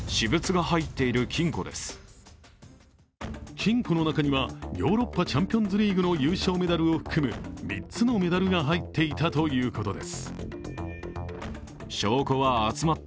金庫の中にはヨーロッパチャンピオンズリーグのメダルを含む３つのメダルが入っていたということです。